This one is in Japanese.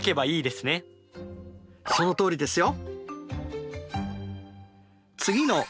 そのとおりですよ！